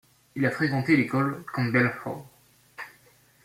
Il a fréquenté l'école Campbell Hall.